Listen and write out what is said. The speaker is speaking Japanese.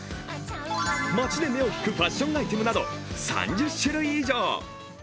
街で目を引くファッションアイテムなど３０種類以上。